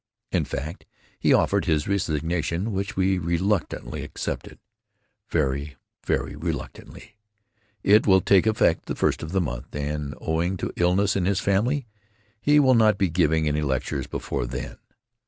In fact, he offered his resignation, which we reluctantly accepted, very, very reluctantly. It will take effect the first of the month, and, owing to illness in his family, he will not be giving any lectures before then.